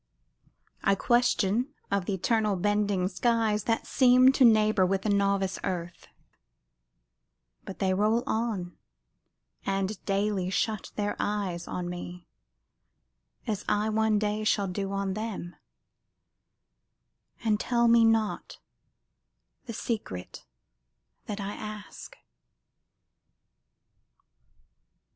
I question of th' eternal bending skies That seem to neighbor with the novice earth; But they roll on, and daily shut their eyes On me, as I one day shall do on them, And tell me not the secret that I ask.